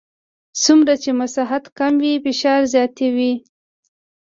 څومره چې مساحت کم وي فشار زیات وي.